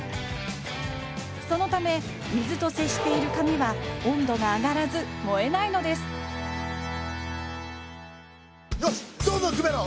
そのため水と接している紙は温度が上がらず燃えないのですよしどんどんくべろ！